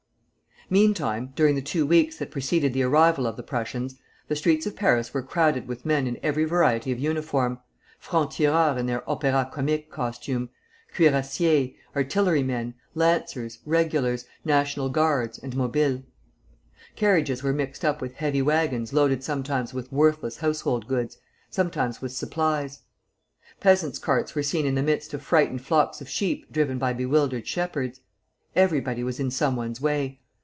Meantime, during the two weeks that preceded the arrival of the Prussians, the streets of Paris were crowded with men in every variety of uniform, francs tireurs in their Opéra Comique costume, cuirassiers, artillerymen, lancers, regulars, National Guards, and Mobiles. Carriages were mixed up with heavy wagons loaded sometimes with worthless household goods, sometimes with supplies. Peasants' carts were seen in the midst of frightened flocks of sheep driven by bewildered shepherds. Everybody was in some one's way.